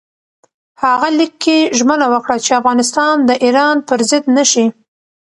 هغه لیک کې ژمنه وکړه چې افغانستان د ایران پر ضد نه شي.